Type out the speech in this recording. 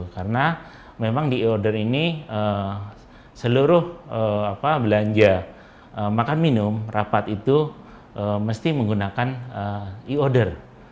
karena memang di e order ini seluruh belanja makan minum rapat itu mesti menggunakan e order